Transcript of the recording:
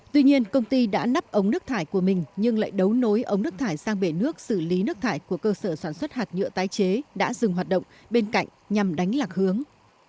tuy nhiên công ty đã nắp ống nước thải của mình nhưng lại đấu nối ống nước thải sang bể nước xử lý nước thải của cơ sở sản xuất hạt nhựa tái chế đã dừng hoạt động bên cạnh nhằm đánh lạc hướng